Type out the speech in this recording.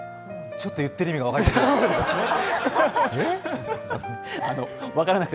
ちょっと言ってる意味が分からない。